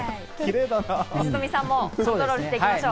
藤富さんもコントロールしていきましょう。